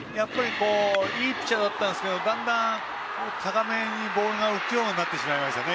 いいピッチャーだったんですがだんだん、高めにボールが浮くようになりましたね。